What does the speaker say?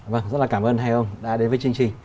vâng rất là cảm ơn hai ông đã đến với chương trình